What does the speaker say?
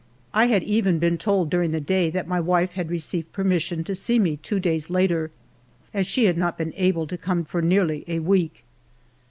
I had even been told auring the day that my wife had received permission to see me two days later, as she had not been able to come for nearly a week.